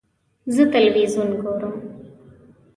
زه تلویزیون ګورم.